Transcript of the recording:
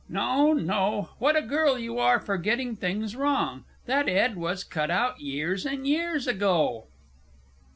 No, no; what a girl you are for getting things wrong! that 'ed was cut out years and years ago!